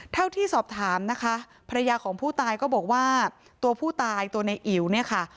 เท่าที่สอบถามนะคะภรรยาของผู้ตายก็บอกว่าตัวผู้ตายตัวในอิ๋วเนี่ยค่ะ